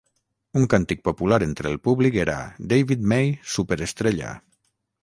Un càntic popular entre el públic era ""David May, superestrella!